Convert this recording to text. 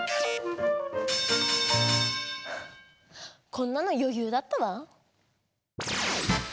こんなのよゆうだったわ。